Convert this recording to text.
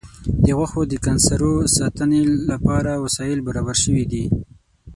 د غوښو د کنسرو ساتنې لپاره وسایل برابر شوي دي.